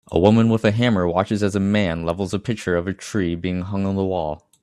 A woman with a hammer watches as a man levels a picture of a tree being hung on the wall